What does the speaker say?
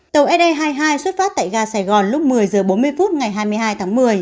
tàu se hai mươi hai xuất phát tại ga sài gòn lúc một mươi h bốn mươi phút ngày hai mươi hai tháng một mươi